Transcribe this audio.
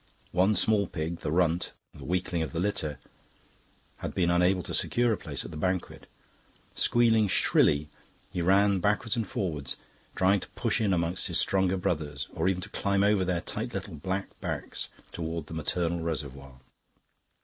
One small pig, the runt, the weakling of the litter, had been unable to secure a place at the banquet. Squealing shrilly, he ran backwards and forwards, trying to push in among his stronger brothers or even to climb over their tight little black backs towards the maternal reservoir.